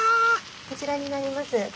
こちらになります。